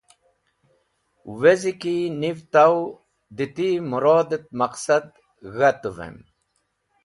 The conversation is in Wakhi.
Wezi ki niv taw dẽ ti mũrod et maqsad g̃ha’vem.